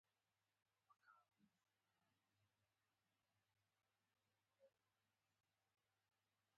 ایا ستاسو ټیلیفون به ځواب نه شي؟